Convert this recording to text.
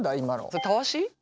それたわし？